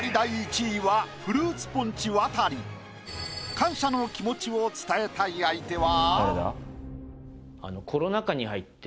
感謝の気持ちを伝えたい相手は？